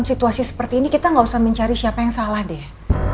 situasi seperti ini kita nggak usah mencari siapa yang salah deh